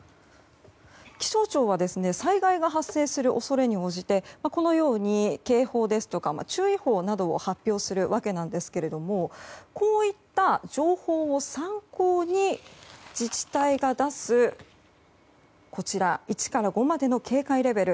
気象庁は災害が発生する恐れに応じてこのように警報ですとか注意報などを発表するわけなんですがこういった情報を参考に自治体が出す１から５までの警戒レベル。